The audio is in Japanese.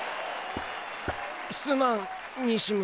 すまん西村。